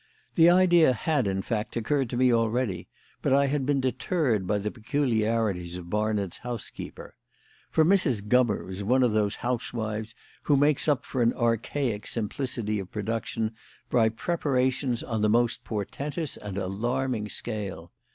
The idea had, in fact, occurred to me already, but I had been deterred by the peculiarities of Barnard's housekeeper. For Mrs. Gummer was one of those housewives who make up for an archaic simplicity of production by preparations on the most portentous and alarming scale.